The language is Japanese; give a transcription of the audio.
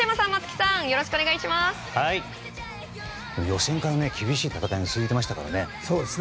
予選から厳しい戦いが続いていましたからね。